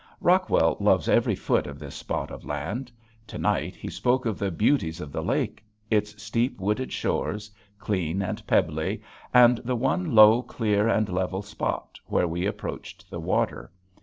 Rockwell loves every foot of this spot of land. To night he spoke of the beauties of the lake, its steep wooded shores, clean and pebbly, and the one low, clear, and level spot where we approached the water.